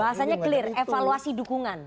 bahasanya clear evaluasi dukungan